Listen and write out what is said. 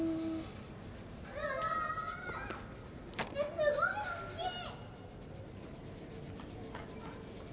・すごいおっきい！